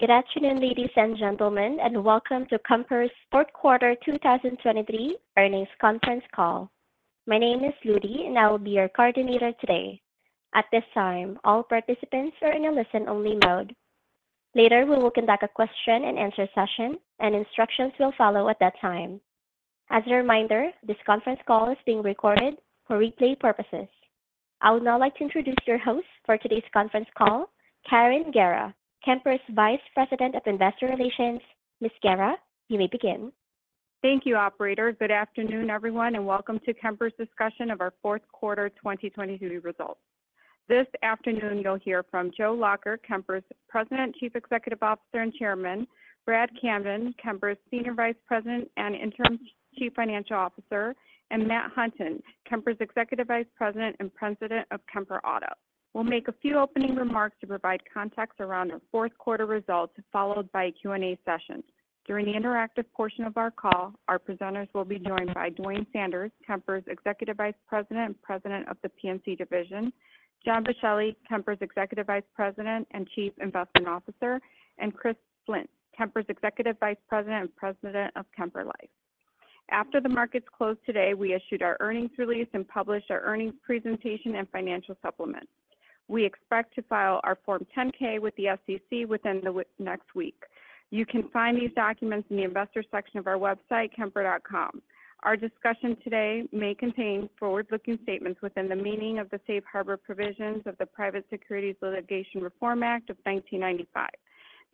Good afternoon, ladies and gentlemen, and welcome to Kemper's Fourth Quarter 2023 Earnings Conference Call. My name is Ludy, and I will be your coordinator today. At this time, all participants are in a listen-only mode. Later, we will conduct a question-and-answer session, and instructions will follow at that time. As a reminder, this conference call is being recorded for replay purposes. I would now like to introduce your host for today's conference call, Karen Guerra, Kemper's Vice President of Investor Relations. Ms. Guerra, you may begin. Thank you, operator. Good afternoon, everyone, and welcome to Kemper's discussion of our fourth quarter 2023 results. This afternoon, you'll hear from Joe Lacher, Kemper's President, Chief Executive Officer, and Chairman; Brad Camden, Kemper's Senior Vice President and Interim Chief Financial Officer; and Matt Hunton, Kemper's Executive Vice President and President of Kemper Auto. We'll make a few opening remarks to provide context around our fourth quarter results, followed by a Q&A session. During the interactive portion of our call, our presenters will be joined by Duane Sanders, Kemper's Executive Vice President and President of the P&C Division; John Boschelli, Kemper's Executive Vice President and Chief Investment Officer; and Chris Flint, Kemper's Executive Vice President and President of Kemper Life. After the markets closed today, we issued our earnings release and published our earnings presentation and financial supplement. We expect to file our Form 10-K with the SEC within the next week. You can find these documents in the Investors section of our website, kemper.com. Our discussion today may contain forward-looking statements within the meaning of the safe harbor provisions of the Private Securities Litigation Reform Act of 1995.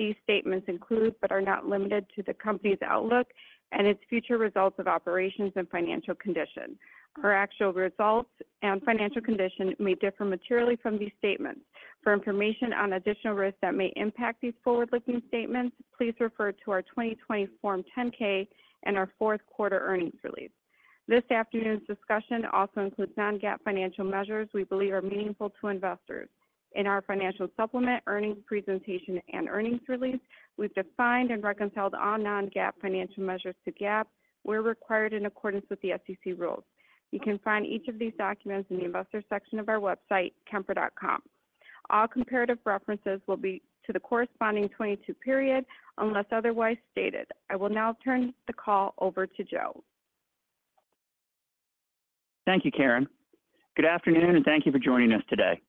These statements include, but are not limited to, the Company's outlook and its future results of operations and financial condition. Our actual results and financial condition may differ materially from these statements. For information on additional risks that may impact these forward-looking statements, please refer to our 2020 Form 10-K and our fourth quarter earnings release. This afternoon's discussion also includes non-GAAP financial measures we believe are meaningful to investors. In our financial supplement, earnings presentation, and earnings release, we've defined and reconciled all non-GAAP financial measures to GAAP where required in accordance with the SEC rules. You can find each of these documents in the Investors section of our website, kemper.com. All comparative references will be to the corresponding 2022 period, unless otherwise stated. I will now turn the call over to Joe. Thank you, Karen. Good afternoon, and thank you for joining us today.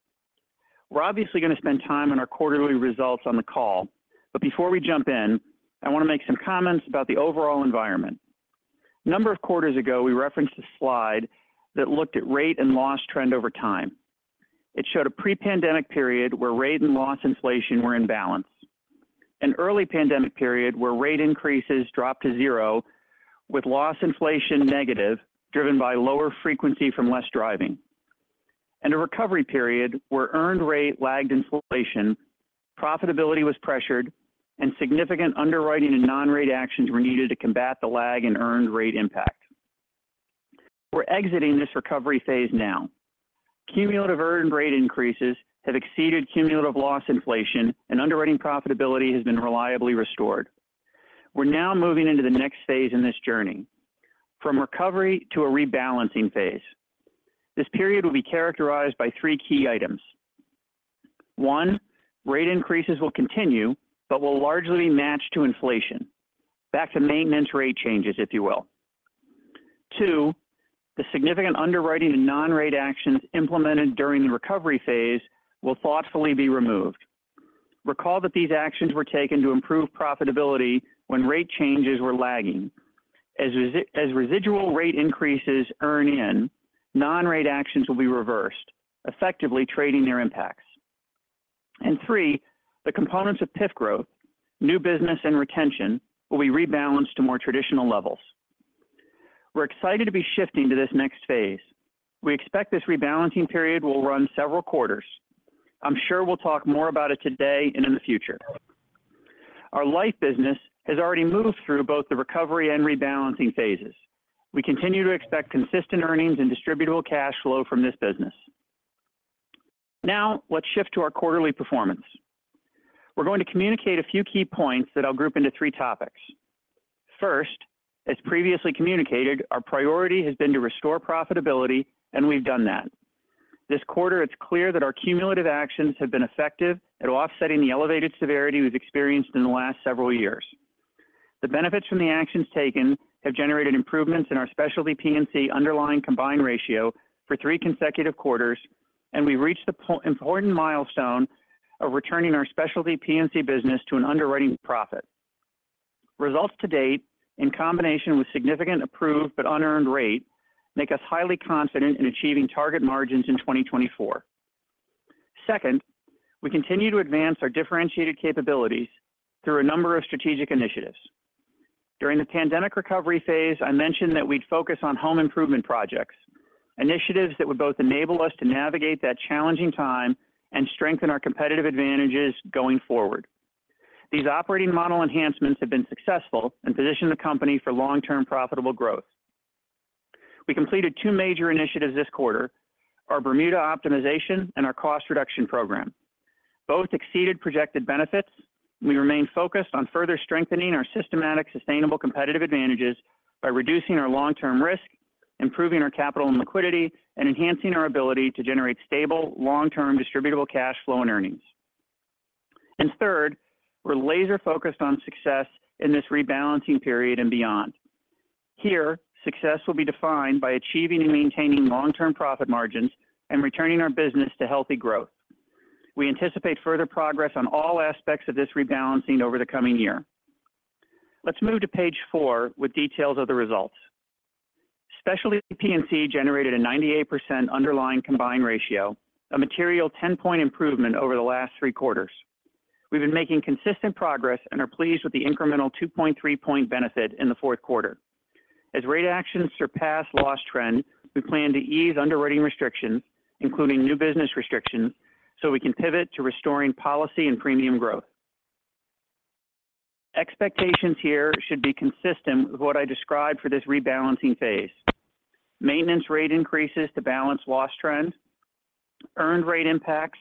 We're obviously going to spend time on our quarterly results on the call, but before we jump in, I want to make some comments about the overall environment. A number of quarters ago, we referenced a slide that looked at rate and loss trend over time. It showed a pre-pandemic period where rate and loss inflation were in balance, an early pandemic period where rate increases dropped to zero, with loss inflation negative, driven by lower frequency from less driving, and a recovery period where earned rate lagged inflation, profitability was pressured, and significant underwriting and non-rate actions were needed to combat the lag in earned rate impact. We're exiting this recovery phase now. Cumulative earned rate increases have exceeded cumulative loss inflation, and underwriting profitability has been reliably restored. We're now moving into the next phase in this journey, from recovery to a rebalancing phase. This period will be characterized by three key items. One, rate increases will continue but will largely match to inflation. Back to maintenance rate changes, if you will. Two, the significant underwriting and non-rate actions implemented during the recovery phase will thoughtfully be removed. Recall that these actions were taken to improve profitability when rate changes were lagging. As as residual rate increases earn in, non-rate actions will be reversed, effectively trading their impacts. And three, the components of PIF growth, new business, and retention will be rebalanced to more traditional levels. We're excited to be shifting to this next phase. We expect this rebalancing period will run several quarters. I'm sure we'll talk more about it today and in the future. Our life business has already moved through both the recovery and rebalancing phases. We continue to expect consistent earnings and distributable cash flow from this business. Now, let's shift to our quarterly performance. We're going to communicate a few key points that I'll group into three topics. First, as previously communicated, our priority has been to restore profitability, and we've done that. This quarter, it's clear that our cumulative actions have been effective at offsetting the elevated severity we've experienced in the last several years. The benefits from the actions taken have generated improvements in our Specialty P&C underlying combined ratio for three consecutive quarters, and we reached the important milestone of returning our Specialty P&C business to an underwriting profit. Results to date, in combination with significant approved but unearned rate, make us highly confident in achieving target margins in 2024. Second, we continue to advance our differentiated capabilities through a number of strategic initiatives. During the pandemic recovery phase, I mentioned that we'd focus on home improvement projects, initiatives that would both enable us to navigate that challenging time and strengthen our competitive advantages going forward. These operating model enhancements have been successful and position the company for long-term profitable growth. We completed two major initiatives this quarter: our Bermuda optimization and our cost reduction program. Both exceeded projected benefits. We remain focused on further strengthening our systematic, sustainable competitive advantages by reducing our long-term risk, improving our capital and liquidity, and enhancing our ability to generate stable, long-term distributable cash flow and earnings. And third, we're laser-focused on success in this rebalancing period and beyond. Here, success will be defined by achieving and maintaining long-term profit margins and returning our business to healthy growth. We anticipate further progress on all aspects of this rebalancing over the coming year. Let's move to page four with details of the results. Specialty P&C generated a 98% underlying combined ratio, a material 10-point improvement over the last three quarters. We've been making consistent progress and are pleased with the incremental 2.3-point benefit in the fourth quarter. As rate actions surpass loss trend, we plan to ease underwriting restrictions, including new business restrictions, so we can pivot to restoring policy and premium growth. Expectations here should be consistent with what I described for this rebalancing phase. Maintenance rate increases to balance loss trends, earned rate impacts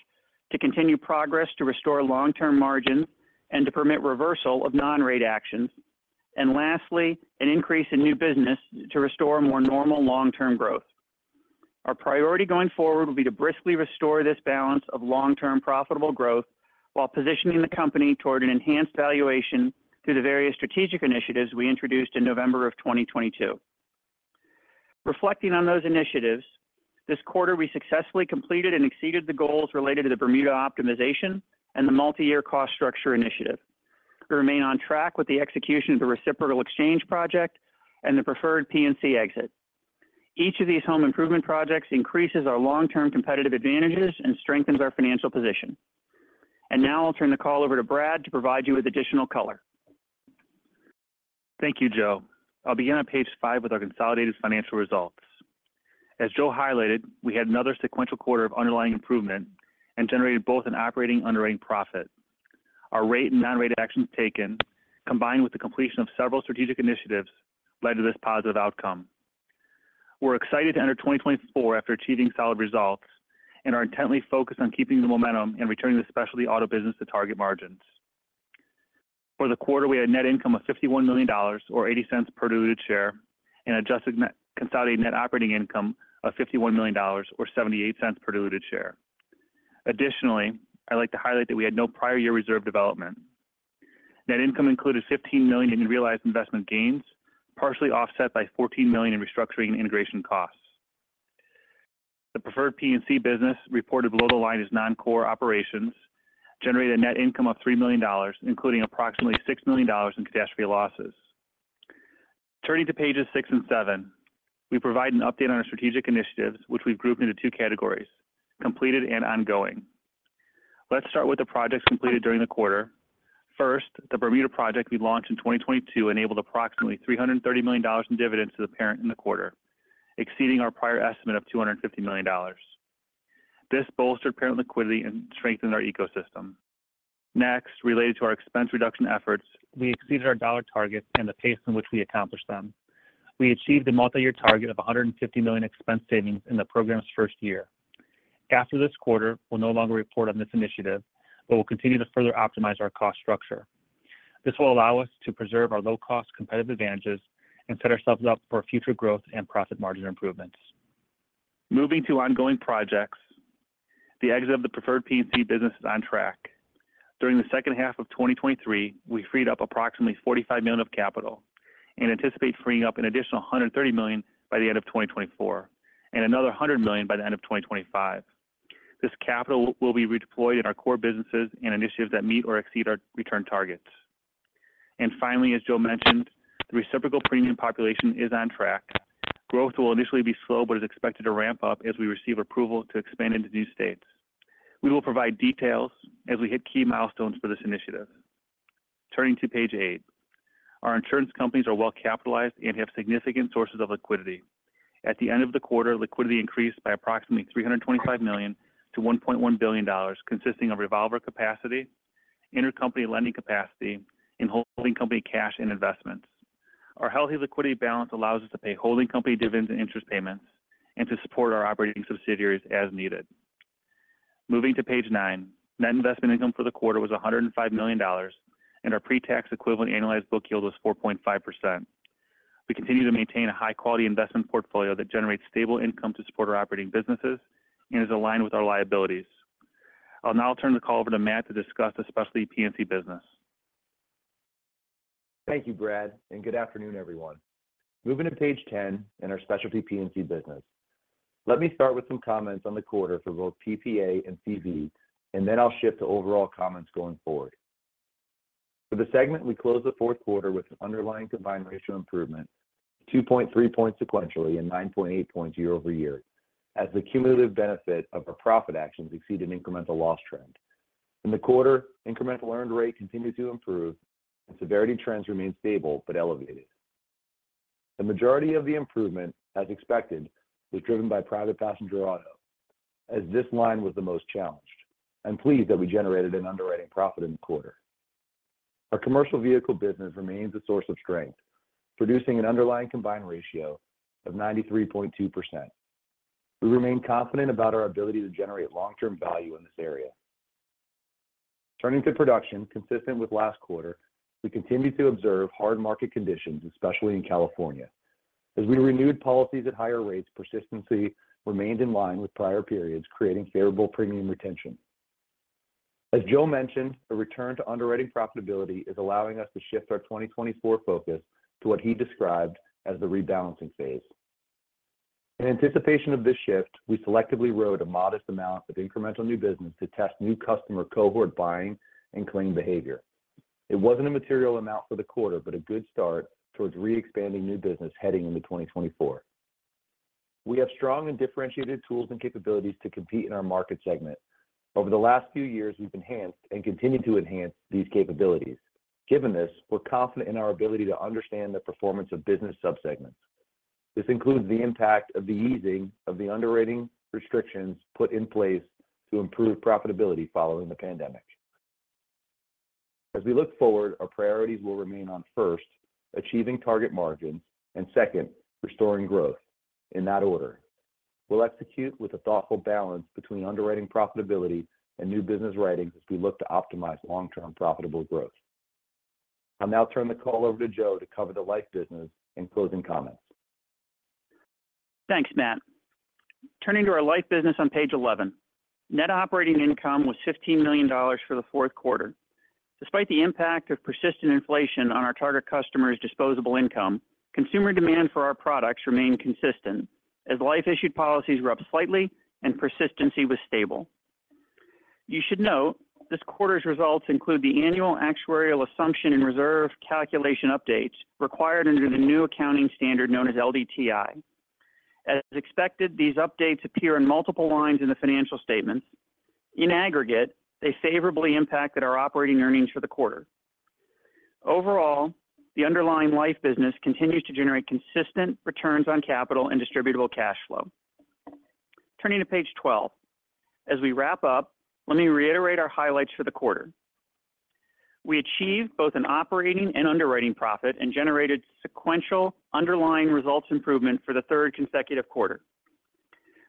to continue progress to restore long-term margins and to permit reversal of non-rate actions, and lastly, an increase in new business to restore more normal long-term growth. Our priority going forward will be to briskly restore this balance of long-term profitable growth while positioning the company toward an enhanced valuation through the various strategic initiatives we introduced in November 2022. Reflecting on those initiatives, this quarter, we successfully completed and exceeded the goals related to the Bermuda optimization and the multi-year cost structure initiative. We remain on track with the execution of the reciprocal exchange project and the Preferred P&C exit. Each of these home improvement projects increases our long-term competitive advantages and strengthens our financial position. Now I'll turn the call over to Brad to provide you with additional color. Thank you, Joe. I'll begin on page five with our consolidated financial results. As Joe highlighted, we had another sequential quarter of underlying improvement and generated both an operating and underwriting profit. Our rate and non-rate actions taken, combined with the completion of several strategic initiatives, led to this positive outcome. We're excited to enter 2024 after achieving solid results and are intently focused on keeping the momentum and returning the specialty auto business to target margins. For the quarter, we had a net income of $51 million or $0.80 per diluted share, and adjusted net consolidated net operating income of $51 million or $0.78 per diluted share. Additionally, I'd like to highlight that we had no prior year reserve development. Net income included $15 million in realized investment gains, partially offset by $14 million in restructuring and integration costs. The Preferred P&C business, reported below the line as non-core operations, generated a net income of $3 million, including approximately $6 million in catastrophe losses. Turning to pages six and seven, we provide an update on our strategic initiatives, which we've grouped into two categories, completed and ongoing. Let's start with the projects completed during the quarter. First, the Bermuda project we launched in 2022 enabled approximately $330 million in dividends to the parent in the quarter, exceeding our prior estimate of $250 million. This bolstered parent liquidity and strengthened our ecosystem. Next, related to our expense reduction efforts, we exceeded our dollar targets and the pace in which we accomplished them. We achieved a multi-year target of $150 million expense savings in the program's first year. After this quarter, we'll no longer report on this initiative, but we'll continue to further optimize our cost structure. This will allow us to preserve our low-cost competitive advantages and set ourselves up for future growth and profit margin improvements. Moving to ongoing projects, the exit of the Preferred P&C business is on track. During the second half of 2023, we freed up approximately $45 million of capital and anticipate freeing up an additional hundred and thirty million by the end of 2024, and another $100 million by the end of 2025. This capital will be redeployed in our core businesses and initiatives that meet or exceed our return targets. Finally, as Joe mentioned, the reciprocal premium population is on track. Growth will initially be slow, but is expected to ramp up as we receive approval to expand into new states. We will provide details as we hit key milestones for this initiative. Turning to page eight. Our insurance companies are well capitalized and have significant sources of liquidity. At the end of the quarter, liquidity increased by approximately $325 million to $1.1 billion, consisting of revolver capacity, intercompany lending capacity, and holding company cash and investments. Our healthy liquidity balance allows us to pay holding company dividends and interest payments and to support our operating subsidiaries as needed. Moving to page nine, net investment income for the quarter was $105 million, and our pre-tax equivalent annualized book yield was 4.5%. We continue to maintain a high-quality investment portfolio that generates stable income to support our operating businesses and is aligned with our liabilities. I'll now turn the call over to Matt to discuss the Specialty P&C business. Thank you, Brad, and good afternoon, everyone. Moving to page 10 in our Specialty P&C business. Let me start with some comments on the quarter for both PPA and CV, and then I'll shift to overall comments going forward. For the segment, we closed the fourth quarter with an underlying combined ratio improvement, 2.3 points sequentially and 9.8 points year-over-year, as the cumulative benefit of our profit actions exceeded incremental loss trend. In the quarter, incremental earned rate continued to improve, and severity trends remained stable but elevated. The majority of the improvement, as expected, was driven by private passenger auto, as this line was the most challenged. I'm pleased that we generated an underwriting profit in the quarter. Our commercial vehicle business remains a source of strength, producing an underlying combined ratio of 93.2%. We remain confident about our ability to generate long-term value in this area. Turning to production, consistent with last quarter, we continue to observe hard market conditions, especially in California. As we renewed policies at higher rates, persistency remained in line with prior periods, creating favorable premium retention. As Joe mentioned, a return to underwriting profitability is allowing us to shift our 2024 focus to what he described as the rebalancing phase. In anticipation of this shift, we selectively wrote a modest amount of incremental new business to test new customer cohort buying and claim behavior. It wasn't a material amount for the quarter, but a good start towards re-expanding new business heading into 2024. We have strong and differentiated tools and capabilities to compete in our market segment. Over the last few years, we've enhanced and continued to enhance these capabilities. Given this, we're confident in our ability to understand the performance of business subsegments. This includes the impact of the easing of the underwriting restrictions put in place to improve profitability following the pandemic. As we look forward, our priorities will remain on, first, achieving target margins, and second, restoring growth, in that order. We'll execute with a thoughtful balance between underwriting profitability and new business writings as we look to optimize long-term profitable growth. I'll now turn the call over to Joe to cover the life business and closing comments. Thanks, Matt. Turning to our life business on page 11, net operating income was $15 million for the fourth quarter. Despite the impact of persistent inflation on our target customers' disposable income, consumer demand for our products remained consistent as life issued policies were up slightly and persistency was stable. You should note, this quarter's results include the annual actuarial assumption and reserve calculation updates required under the new accounting standard known as LDTI. As expected, these updates appear in multiple lines in the financial statements. In aggregate, they favorably impacted our operating earnings for the quarter. Overall, the underlying life business continues to generate consistent returns on capital and distributable cash flow. Turning to page 12, as we wrap up, let me reiterate our highlights for the quarter. We achieved both an operating and underwriting profit and generated sequential underlying results improvement for the third consecutive quarter.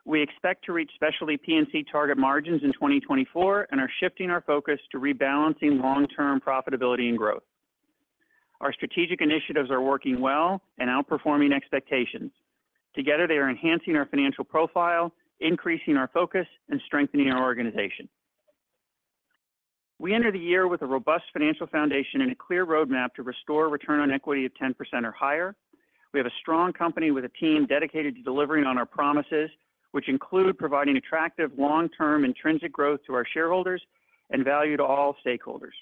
We expect to reach specialty P&C target margins in 2024 and are shifting our focus to rebalancing long-term profitability and growth. Our strategic initiatives are working well and outperforming expectations. Together, they are enhancing our financial profile, increasing our focus, and strengthening our organization. We enter the year with a robust financial foundation and a clear roadmap to restore return on equity of 10% or higher. We have a strong company with a team dedicated to delivering on our promises, which include providing attractive long-term intrinsic growth to our shareholders and value to all stakeholders.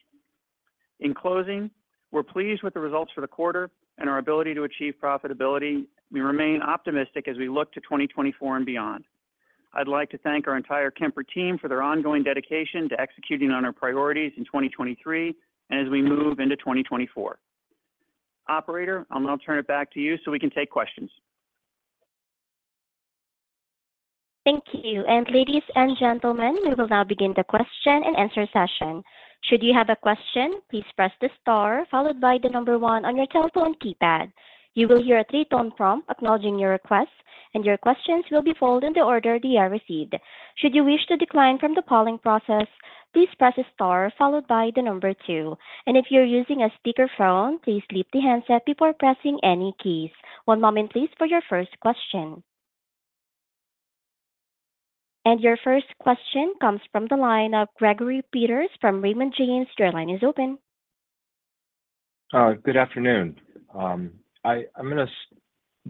In closing, we're pleased with the results for the quarter and our ability to achieve profitability. We remain optimistic as we look to 2024 and beyond. I'd like to thank our entire Kemper team for their ongoing dedication to executing on our priorities in 2023 and as we move into 2024. Operator, I'm going to turn it back to you so we can take questions. Thank you. And ladies and gentlemen, we will now begin the question and answer session. Should you have a question, please press the star followed by the number one on your telephone keypad. You will hear a three-tone prompt acknowledging your request, and your questions will be followed in the order they are received. Should you wish to decline from the calling process, please press star followed by the number two. And if you're using a speakerphone, please leave the handset before pressing any keys. One moment, please, for your first question. And your first question comes from the line of Gregory Peters from Raymond James. Your line is open. Good afternoon. I'm gonna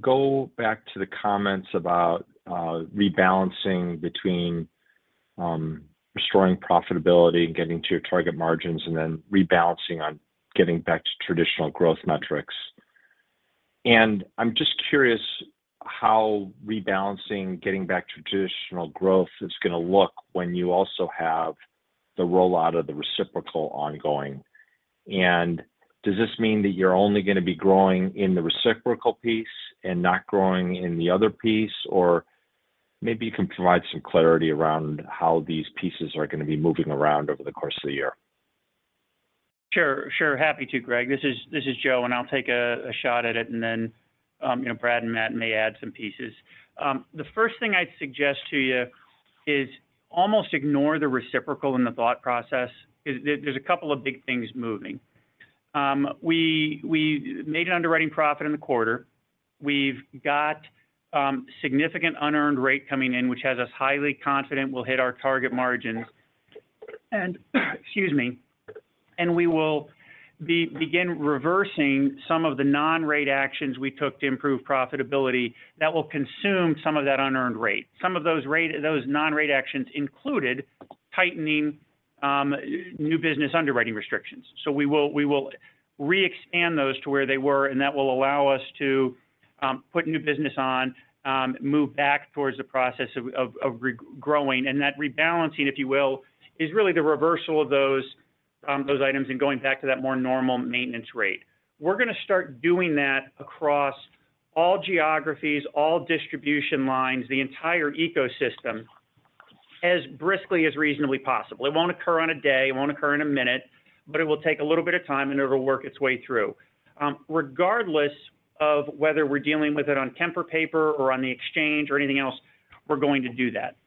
go back to the comments about rebalancing between restoring profitability and getting to your target margins, and then rebalancing on getting back to traditional growth metrics. And I'm just curious how rebalancing, getting back to traditional growth, is gonna look when you also have the rollout of the reciprocal ongoing. And does this mean that you're only gonna be growing in the reciprocal piece and not growing in the other piece? Or maybe you can provide some clarity around how these pieces are gonna be moving around over the course of the year. Sure, sure. Happy to, Greg. This is Joe, and I'll take a shot at it, and then, you know, Brad and Matt may add some pieces. The first thing I'd suggest to you is almost ignore the reciprocal in the thought process. There, there's a couple of big things moving. We made an underwriting profit in the quarter. We've got significant unearned rate coming in, which has us highly confident we'll hit our target margins. And, excuse me, and we will begin reversing some of the non-rate actions we took to improve profitability that will consume some of that unearned rate. Some of those, those non-rate actions included tightening new business underwriting restrictions. So we will, we will re-expand those to where they were, and that will allow us to, put new business on, move back towards the process of, of, of regrowing. And that rebalancing, if you will, is really the reversal of those, those items and going back to that more normal maintenance rate. We're gonna start doing that across all geographies, all distribution lines, the entire ecosystem, as briskly as reasonably possible. It won't occur on a day, it won't occur in a minute, but it will take a little bit of time, and it'll work its way through. Regardless of whether we're dealing with it on Kemper paper or on the exchange or anything else, we're going to do that.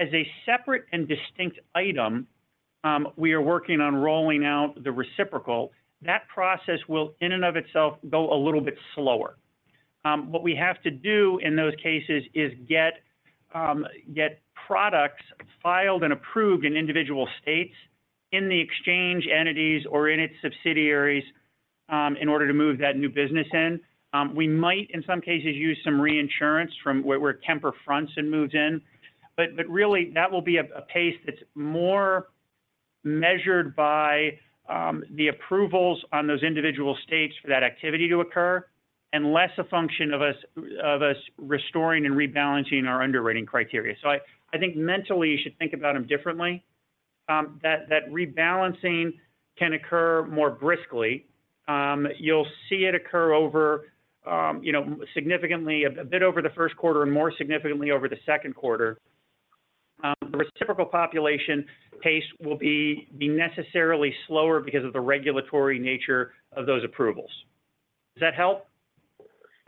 As a separate and distinct item, we are working on rolling out the reciprocal. That process will, in and of itself, go a little bit slower. What we have to do in those cases is get products filed and approved in individual states in the exchange entities or in its subsidiaries, in order to move that new business in. We might, in some cases, use some reinsurance from where Kemper fronts and moves in. But really, that will be a pace that's more measured by the approvals on those individual states for that activity to occur, and less a function of us restoring and rebalancing our underwriting criteria. So I think mentally, you should think about them differently. That rebalancing can occur more briskly. You'll see it occur over, you know, significantly a bit over the first quarter and more significantly over the second quarter. The reciprocal population pace will be necessarily slower because of the regulatory nature of those approvals. Does that help?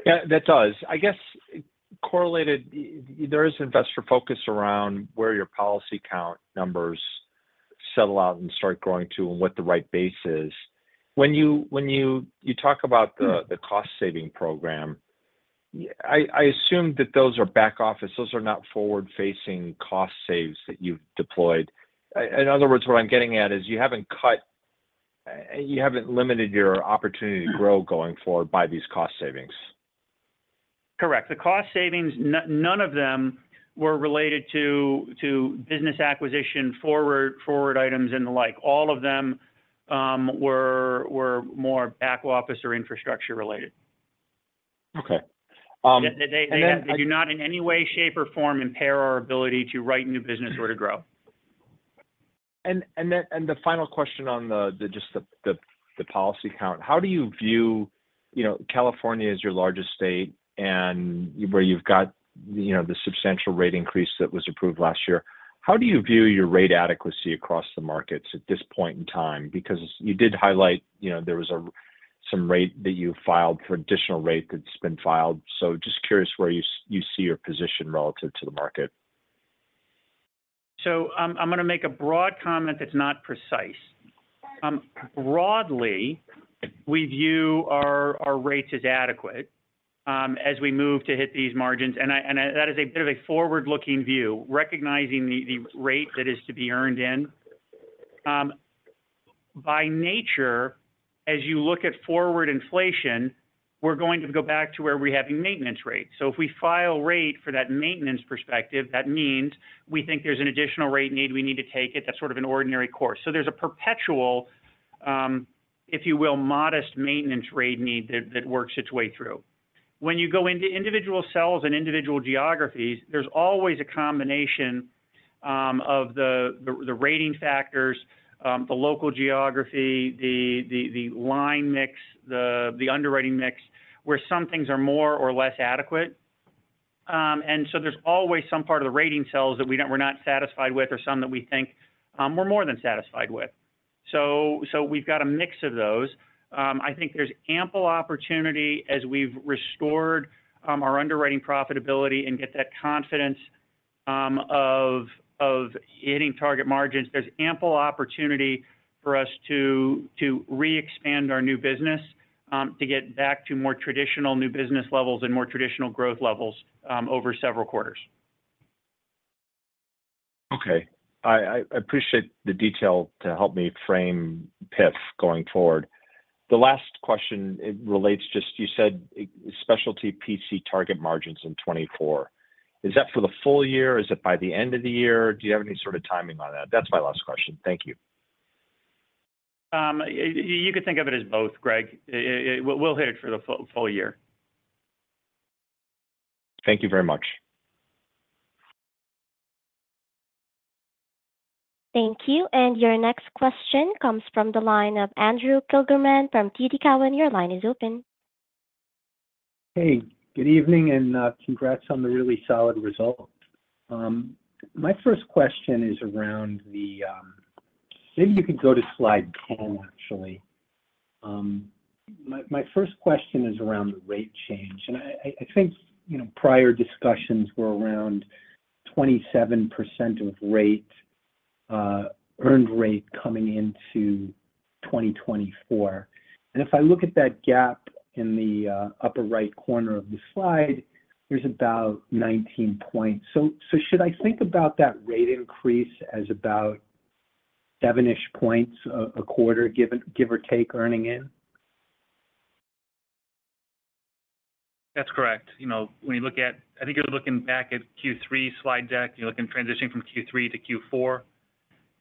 Yeah, that does. I guess, correlated, there is investor focus around where your policy count numbers settle out and start growing to and what the right base is. When you talk about the cost saving program, I assume that those are back office. Those are not forward-facing cost saves that you've deployed. In other words, what I'm getting at is you haven't cut, you haven't limited your opportunity to grow going forward by these cost savings. Correct. The cost savings, none of them were related to business acquisition, forward items and the like. All of them were more back office or infrastructure related. Okay, They do not in any way, shape, or form, impair our ability to write new business or to grow. And then the final question on the policy count. How do you view... You know, California is your largest state, and where you've got, you know, the substantial rate increase that was approved last year. How do you view your rate adequacy across the markets at this point in time? Because you did highlight, you know, there was some rate that you filed for additional rate that's been filed. So just curious where you see your position relative to the market. So, I'm going to make a broad comment that's not precise. Broadly, we view our, our rates as adequate, as we move to hit these margins, and I, and that is a bit of a forward-looking view, recognizing the, the rate that is to be earned in. By nature, as you look at forward inflation, we're going to go back to where we have your maintenance rate. So if we file rate for that maintenance perspective, that means we think there's an additional rate need, we need to take it. That's sort of an ordinary course. So there's a perpetual, if you will, modest maintenance rate need that, that works its way through. When you go into individual cells and individual geographies, there's always a combination of the rating factors, the local geography, the line mix, the underwriting mix, where some things are more or less adequate. And so there's always some part of the rating cells that we're not satisfied with or some that we think we're more than satisfied with. So we've got a mix of those. I think there's ample opportunity as we've restored our underwriting profitability and get that confidence of hitting target margins. There's ample opportunity for us to re-expand our new business to get back to more traditional new business levels and more traditional growth levels over several quarters. Okay. I appreciate the detail to help me frame PIF going forward. The last question, it relates to just you said, specialty P&C target margins in 2024. Is that for the full year? Is it by the end of the year? Do you have any sort of timing on that? That's my last question. Thank you. You could think of it as both, Greg. It, we'll hit it for the full year. Thank you very much. Thank you. Your next question comes from the line of Andrew Kligerman from TD Cowen. Your line is open. Hey, good evening, and congrats on the really solid result. My first question is around the... Maybe you could go to slide 10, actually. My first question is around the rate change, and I think, you know, prior discussions were around 27% of rate, earned rate coming into 2024. And if I look at that gap in the upper right corner of the slide, there's about 19 points. So should I think about that rate increase as about seven-ish points a quarter, give or take, earning in? That's correct. You know, when you look, I think you're looking back at Q3 slide deck, you're looking transitioning from Q3 to Q4,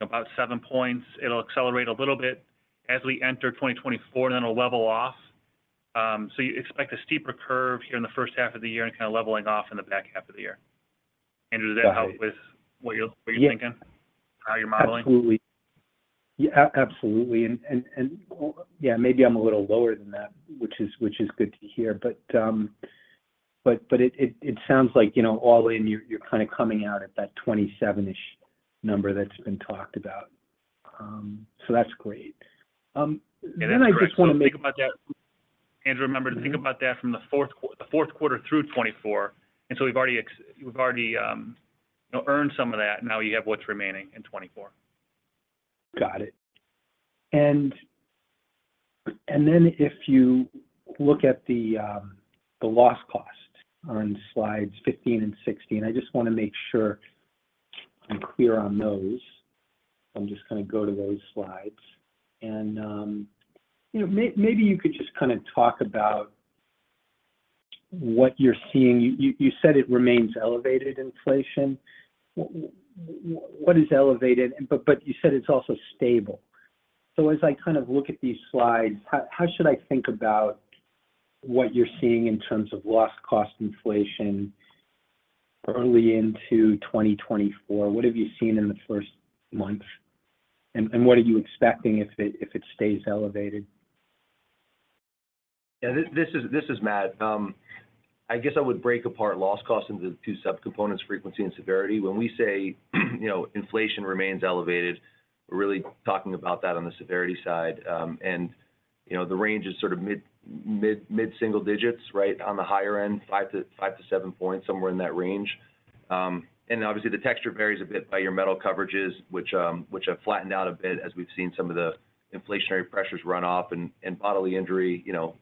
about seven points. It'll accelerate a little bit as we enter 2024, then it'll level off. So you expect a steeper curve here in the first half of the year and kind of leveling off in the back half of the year. Andrew, does that help? Got it. With what you're thinking? Yeah. How you're modeling? Absolutely. Yeah, absolutely. And yeah, maybe I'm a little lower than that, which is good to hear. But it sounds like, you know, all in, you're kind of coming out at that 27-ish number that's been talked about. So that's great. Then I just want to make- Remember to think about that from the fourth quarter, the fourth quarter through 2024. And so we've already we've already, you know, earned some of that, now we have what's remaining in 2024. Got it. And then if you look at the loss cost on slides 15 and 16, I just want to make sure I'm clear on those. I'm just gonna go to those slides. And, you know, maybe you could just kind of talk about what you're seeing. You said it remains elevated inflation. What is elevated? But you said it's also stable. So as I kind of look at these slides, how should I think about what you're seeing in terms of loss cost inflation early into 2024? What have you seen in the first month? And what are you expecting if it stays elevated? Yeah, this is Matt. I guess I would break apart loss cost into two subcomponents: frequency and severity. When we say, you know, inflation remains elevated, we're really talking about that on the severity side. And, you know, the range is sort of mid-single digits, right on the higher end, five to seven points, somewhere in that range. And obviously, the texture varies a bit by your metal coverages which have flattened out a bit as we've seen some of the inflationary pressures run off. And bodily injury, you know,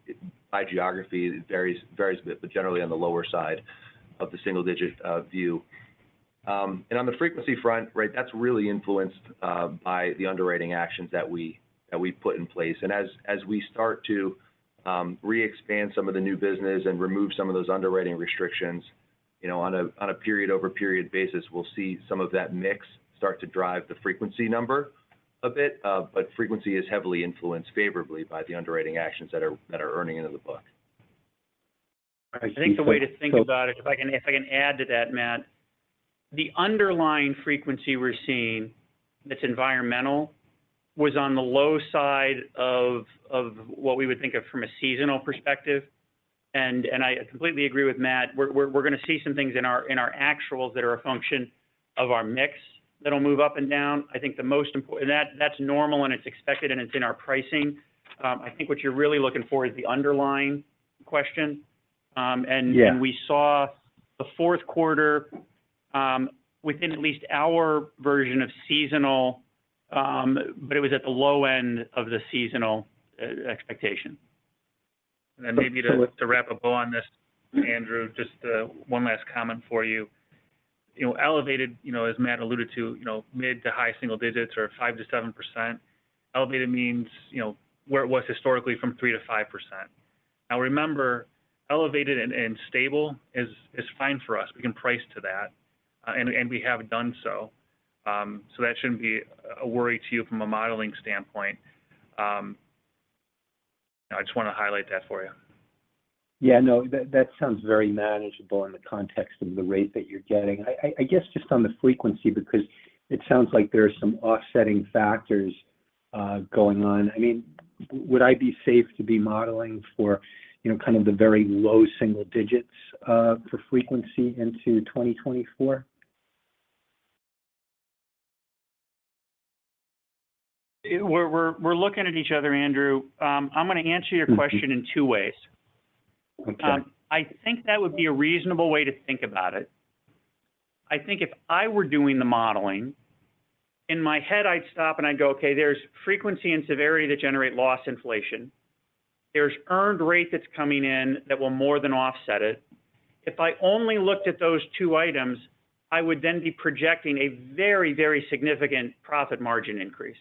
by geography, it varies a bit, but generally on the lower side of the single digit view. And on the frequency front, right, that's really influenced by the underwriting actions that we've put in place. As we start to re-expand some of the new business and remove some of those underwriting restrictions, you know, on a period-over-period basis, we'll see some of that mix start to drive the frequency number a bit. But frequency is heavily influenced favorably by the underwriting actions that are earning into the book. I think the way to think about it if I can add to that, Matt. The underlying frequency we're seeing, that's environmental, was on the low side of what we would think of from a seasonal perspective. And I completely agree with Matt. We're going to see some things in our actuals that are a function of our mix that'll move up and down. I think the most important, that's normal, and it's expected, and it's in our pricing. I think what you're really looking for is the underlying question. Yeah And we saw the fourth quarter within at least our version of seasonal, but it was at the low end of the seasonal expectation. Then maybe to wrap a bow on this, Andrew, just one last comment for you. You know, elevated, you know, as Matt alluded to, you know, mid- to high-single digits or 5%-7%. Elevated means, you know, where it was historically from 3%-5%. Now, remember, elevated and stable is fine for us. We can price to that, and we have done so. So that shouldn't be a worry to you from a modeling standpoint. I just want to highlight that for you. Yeah, no, that sounds very manageable in the context of the rate that you're getting. I guess just on the frequency, because it sounds like there are some offsetting factors going on. I mean, would I be safe to be modeling for, you know, kind of the very low single digits for frequency into 2024? We're looking at each other, Andrew. I'm gonna answer your question in two ways. Okay. I think that would be a reasonable way to think about it. I think if I were doing the modeling, in my head, I'd stop, and I'd go, "Okay, there's frequency and severity that generate loss inflation. There's earned rate that's coming in that will more than offset it." If I only looked at those two items, I would then be projecting a very, very significant profit margin increase.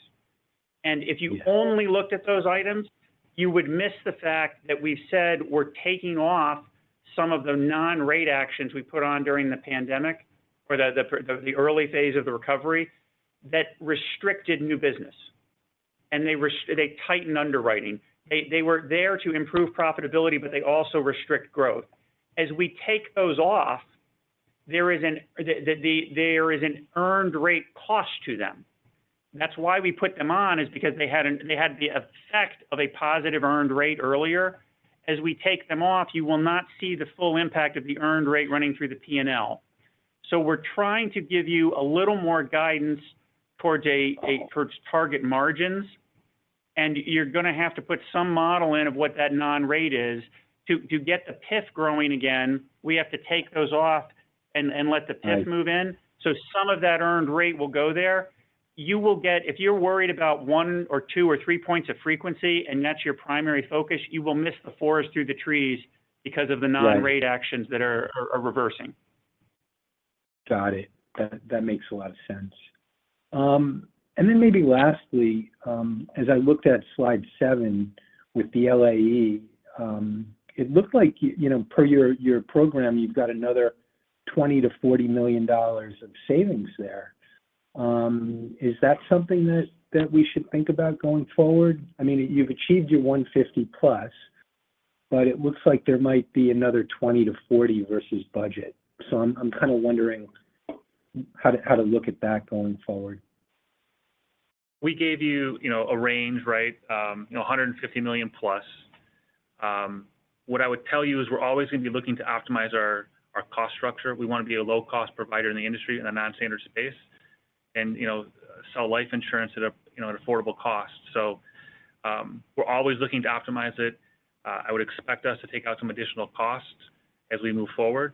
Yeah. And if you only looked at those items, you would miss the fact that we've said we're taking off some of the non-rate actions we put on during the pandemic or the early phase of the recovery, that restricted new business. And they tightened underwriting. They were there to improve profitability, but they also restrict growth. As we take those off, there is an earned rate cost to them. That's why we put them on, is because they had the effect of a positive earned rate earlier. As we take them off, you will not see the full impact of the earned rate running through the P&L. So we're trying to give you a little more guidance towards target margins, and you're gonna have to put some model in of what that non-rate is. To get the PIF growing again, we have to take those off and let the PIF move in. Right. So some of that earned rate will go there. You will get. If you're worried about one or two or three points of frequency, and that's your primary focus, you will miss the forest through the trees because of the non-rate actions that are reversing. Got it. That makes a lot of sense. And then maybe lastly, as I looked at slide seven with the LAE, it looked like, you know, per your program, you've got another $20 million-$40 million of savings there. Is that something that we should think about going forward? I mean, you've achieved your $150 million+, but it looks like there might be another $20 million-$40 million versus budget. So I'm kind of wondering how to look at that going forward. We gave you, you know, a range, right? You know, $150 million+. What I would tell you is we're always gonna be looking to optimize our, our cost structure. We wanna be a low-cost provider in the industry in a non-standard space, and, you know, sell life insurance at a, you know, at affordable cost. So, we're always looking to optimize it. I would expect us to take out some additional costs as we move forward.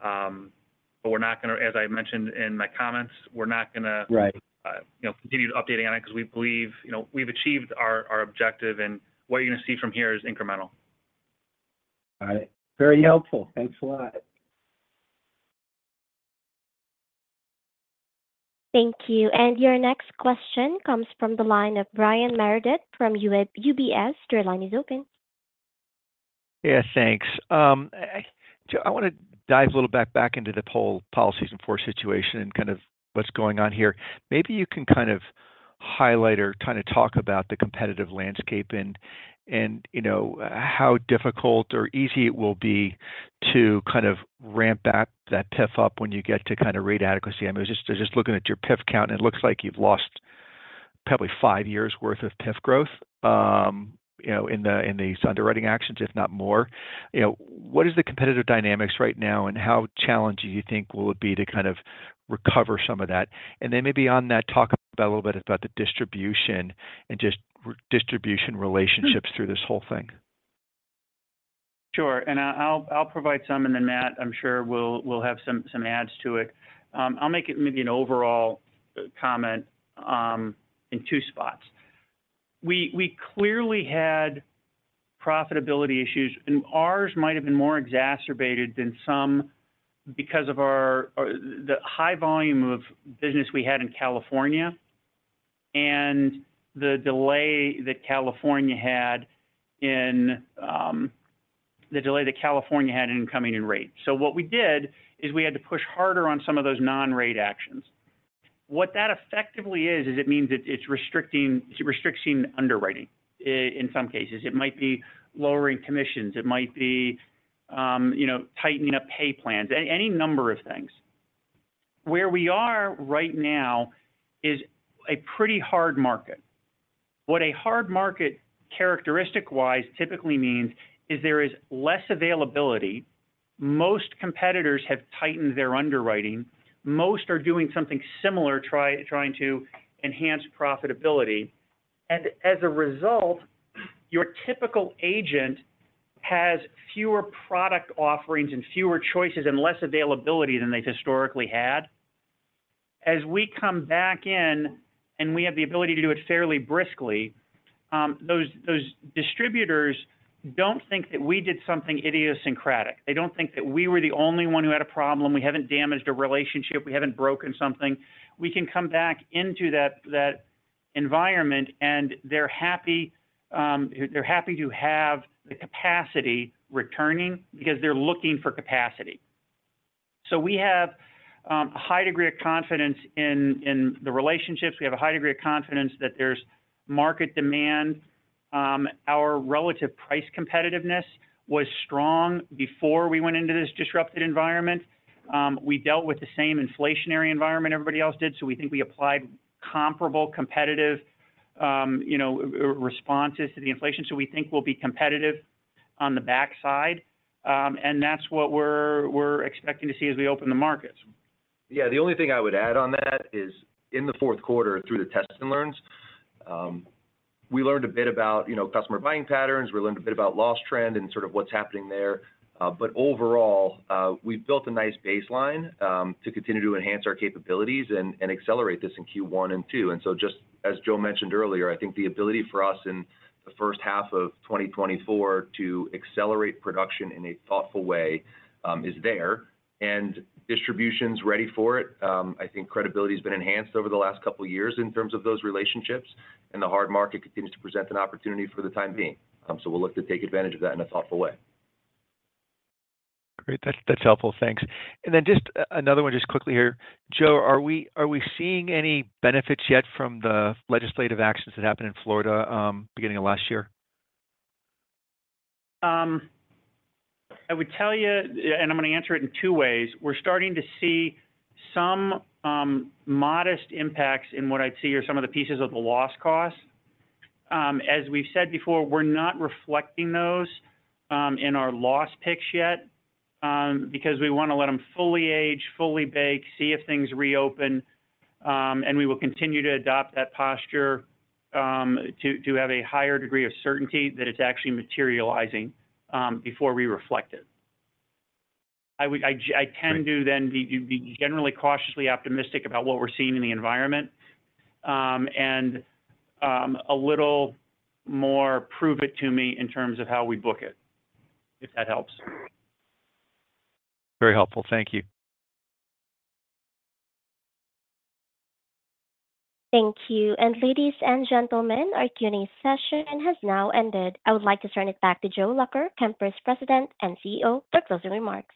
But we're not gonna, as I mentioned in my comments, we're not gonna- Right You know, continue updating on it because we believe, you know, we've achieved our, our objective, and what you're gonna see from here is incremental. All right. Very helpful. Thanks a lot. Thank you. And your next question comes from the line of Brian Meredith from UBS. Your line is open. Yeah, thanks. Joe, I wanna dive a little back into the whole policies and PIF situation and kind of what's going on here. Maybe you can kind of highlight or kinda talk about the competitive landscape and, you know, how difficult or easy it will be to kind of ramp back that PIF up when you get to kind of rate adequacy. I mean, just looking at your PIF count, it looks like you've lost probably five years' worth of PIF growth, you know, in these underwriting actions, if not more. You know, what is the competitive dynamics right now, and how challenging do you think will it be to kind of recover some of that? And then maybe on that, talk a little bit about the distribution and just distribution relationships through this whole thing. Sure. And I, I'll, I'll provide some, and then Matt, I'm sure, will, will have some, some adds to it. I'll make it maybe an overall comment, in two spots. We clearly had profitability issues, and ours might have been more exacerbated than some because of our, the high volume of business we had in California, and the delay that California had in, the delay that California had in coming in rate. So what we did, is we had to push harder on some of those non-rate actions. What that effectively is, is it means that it's restricting, restricting underwriting in some cases. It might be lowering commissions, it might be, you know, tightening up pay plans, any number of things. Where we are right now is a pretty hard market. What a hard market, characteristic wise, typically means is there is less availability. Most competitors have tightened their underwriting. Most are doing something similar, trying to enhance profitability. And as a result, your typical agent has fewer product offerings and fewer choices and less availability than they historically had. As we come back in, and we have the ability to do it fairly briskly, those, those distributors don't think that we did something idiosyncratic. They don't think that we were the only one who had a problem. We haven't damaged a relationship, we haven't broken something. We can come back into that, that environment, and they're happy, they're happy to have the capacity returning because they're looking for capacity. So we have, a high degree of confidence in, in the relationships. We have a high degree of confidence that there's market demand. Our relative price competitiveness was strong before we went into this disrupted environment. We dealt with the same inflationary environment everybody else did, so we think we applied comparable, competitive, you know, responses to the inflation. So we think we'll be competitive on the backside, and that's what we're expecting to see as we open the markets. Yeah, the only thing I would add on that is, in the fourth quarter, through the test and learns, we learned a bit about, you know, customer buying patterns. We learned a bit about loss trend and sort of what's happening there. But overall, we've built a nice baseline, to continue to enhance our capabilities and, and accelerate this in Q1 and Q2. And so just as Joe mentioned earlier, I think the ability for us in the first half of 2024 to accelerate production in a thoughtful way, is there, and distribution's ready for it. I think credibility has been enhanced over the last couple of years in terms of those relationships, and the hard market continues to present an opportunity for the time being. So we'll look to take advantage of that in a thoughtful way. Great. That's, that's helpful. Thanks. And then just, another one just quickly here. Joe, are we, are we seeing any benefits yet from the legislative actions that happened in Florida, beginning of last year? I would tell you, and I'm gonna answer it in two ways. We're starting to see some modest impacts in what I'd say are some of the pieces of the loss cost. As we've said before, we're not reflecting those in our loss picks yet, because we want to let them fully age, fully bake, see if things reopen. And we will continue to adopt that posture, to have a higher degree of certainty that it's actually materializing before we reflect it. I tend to then be generally cautiously optimistic about what we're seeing in the environment, and a little more prove it to me in terms of how we book it, if that helps. Very helpful. Thank you. Thank you. Ladies and gentlemen, our Q&A session has now ended. I would like to turn it back to Joe Lacher, Kemper President and CEO, for closing remarks.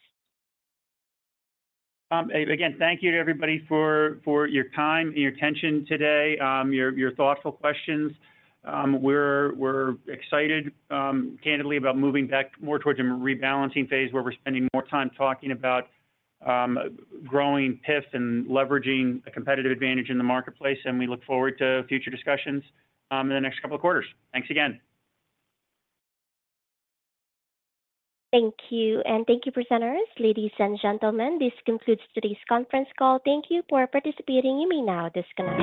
Again, thank you to everybody for your time and your attention today, your thoughtful questions. We're excited, candidly, about moving back more towards a rebalancing phase, where we're spending more time talking about growing PIF and leveraging a competitive advantage in the marketplace, and we look forward to future discussions in the next couple of quarters. Thanks again. Thank you, and thank you, presenters. Ladies and gentlemen, this concludes today's conference call. Thank you for participating. You may now disconnect.